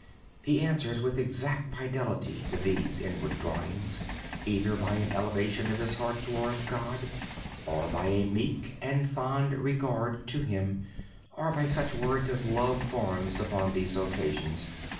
He answers with exact fidelity to these inward drawings, either by an elevation of his heart towards God, or by a meek and fond regard to Him, or by such words as love forms upon these occasions.